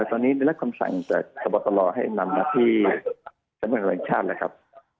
ตอนนี้ได้รับคำสั่งจากสมบัติศาสตร์ให้นำมาที่สมบัติศาสตร์แล้วครับ